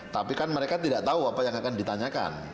tapi kan mereka tidak tahu apa yang akan ditanyakan